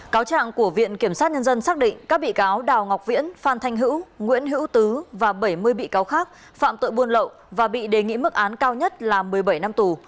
cáo trạng của viện kiểm sát nhân dân xác định các bị cáo đào ngọc viễn phan thanh hữu nguyễn hữu tứ và bảy mươi bị cáo khác phạm tội buôn lậu và bị đề nghị mức án cao nhất là một mươi bảy năm tù